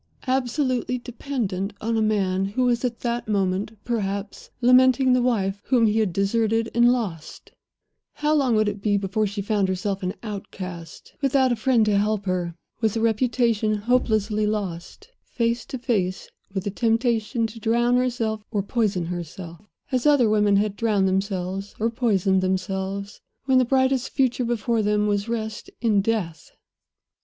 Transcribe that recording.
Absolutely dependent on a man who was at that moment perhaps lamenting the wife whom he had deserted and lost, how long would it be before she found herself an outcast, without a friend to help her with a reputation hopelessly lost face to face with the temptation to drown herself or poison herself, as other women had drowned themselves or poisoned themselves, when the brightest future before them was rest in death?